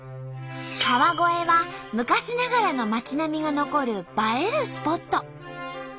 川越は昔ながらの町並みが残る映えるスポット。